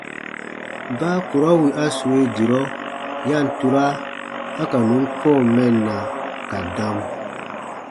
Baa kurɔ wì a sue dirɔ, ya ǹ tura a ka nùn kɔ̃ɔ mɛnna ka dam.